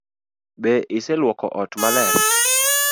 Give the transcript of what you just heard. Be iseluoko ot maler?